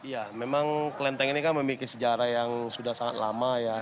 ya memang kelenteng ini kan memiliki sejarah yang sudah sangat lama ya